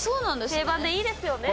定番でいいですよね。